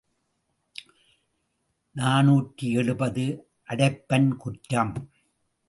நாநூற்று எழுபது அடைப்பான் குற்றம்.